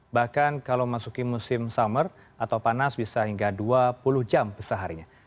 bahkan kalau masukin musim summer atau panas bisa hingga dua puluh jam besah harinya